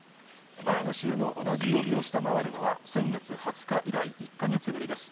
前の週の同じ曜日を下回るのは、先月２０日以来、１か月ぶりです。